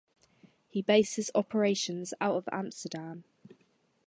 He based his operations out of Amsterdam.